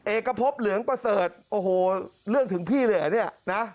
เอกพบเหลืองประเสริฐโอ้โหเรื่องถึงพี่เลยเหรอเนี่ยนะ